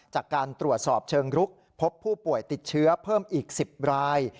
จากการตรวจสอบเชิงรุกพบผู้ป่วยติดเชื้อเพิ่มอีก๑๐ราย